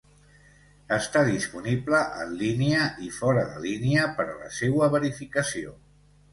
Està disponible en línia i fora de línia per a la seua verificació.